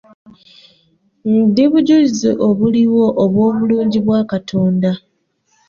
Ndi bujulizi obuliwo obw'obulungi bwa Katonda.